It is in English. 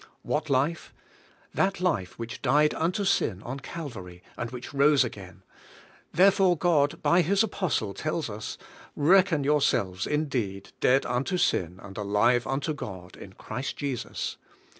What life? That life which died unto sin on Calvarj', and which rose again; there fore God by his apostle tells us: "Reckon your selves indeed dead unto sin and alive unto God in Christ Jesus."